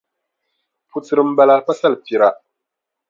Putira m-bala pa salipira.